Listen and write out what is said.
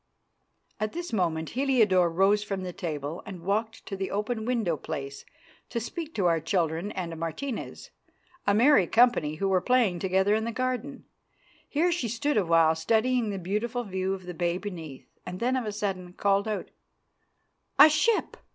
At this moment Heliodore rose from the table and walked to the open window place to speak to our children and Martina's, a merry company who were playing together in the garden. Here she stood a while studying the beautiful view of the bay beneath; then of a sudden called out, "A ship!